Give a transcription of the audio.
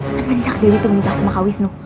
semenjak dewi tuh menikah sama kak wisnu